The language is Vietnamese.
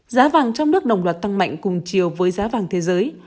giá vàng trong nước đồng loạt tăng mạnh cùng chiều với giá vàng thế giới